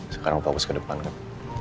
sekarang fokus ke depan kan